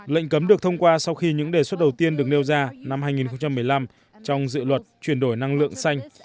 lệnh cấm được thông qua sau khi những đề xuất đầu tiên được nêu ra năm hai nghìn một mươi năm trong dự luật chuyển đổi năng lượng xanh